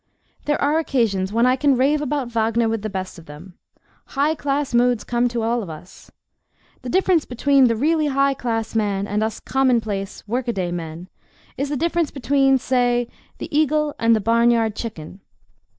There are occasions when I can rave about Wagner with the best of them. High class moods come to all of us. The difference between the really high class man and us commonplace, workaday men is the difference between, say, the eagle and the barnyard chicken.